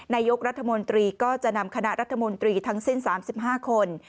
นายกรัฐมนตรีก็จะนำคณะรัฐมนตรีทั้งสิ้น๓๕คน